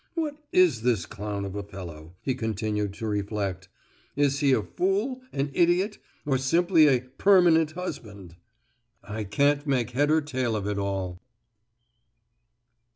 "What is this clown of a fellow?" he continued to reflect. "Is he a fool, an idiot, or simply a 'permanent husband'? I can't make head or tail of it all!"